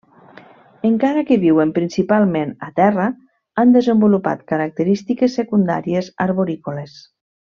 Encara que viuen principalment a terra, han desenvolupat característiques secundàries arborícoles.